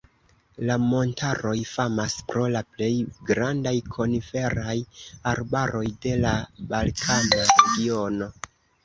La montaroj famas pro la plej grandaj koniferaj arbaroj de la balkana regiono.